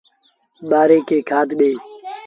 ٻآري کي کآڌ ڏي۔